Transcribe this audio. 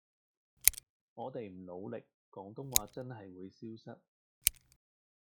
我地唔努力廣東話真係會消失